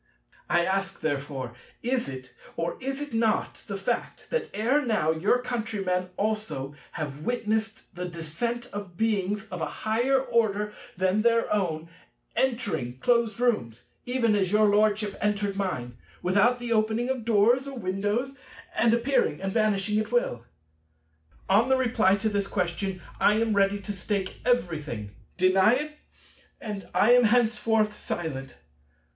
I ask therefore, is it, or is it not, the fact, that ere now your countrymen also have witnessed the descent of Beings of a higher order than their own, entering closed rooms, even as your Lordship entered mine, without the opening of doors or windows, and appearing and vanishing at will? On the reply to this question I am ready to stake everything. Deny it, and I am henceforth silent.